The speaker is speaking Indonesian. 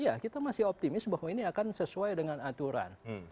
iya kita masih optimis bahwa ini akan sesuai dengan aturan